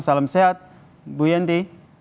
salam sehat bu yenti